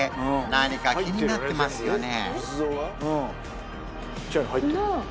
何か気になってますよね？